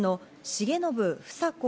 重信房子